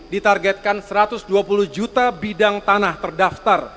ditargetkan satu ratus dua puluh juta bidang tanah terdaftar